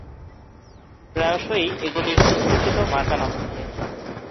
প্রায়শই এগুলির সুপরিচিত মার্কা-নাম থাকে।